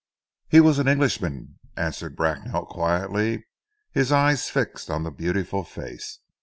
"He was an Englishman," answered Bracknell quietly, his eyes fixed on the beautiful face.